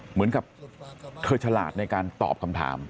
เหมือนกับเธอฉลาดในการตอบคำถาม